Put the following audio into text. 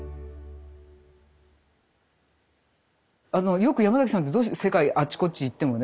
よくヤマザキさんってどうして世界あっちこっち行ってもね